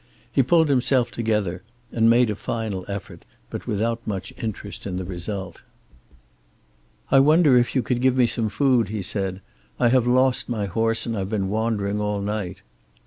He pulled himself together and made a final effort, but without much interest in the result. "I wonder if you could give me some food?" he said. "I have lost my horse and I've been wandering all night."